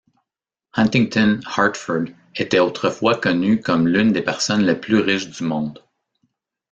Huntington Hartford était autrefois connu comme l'une des personnes les plus riches du monde.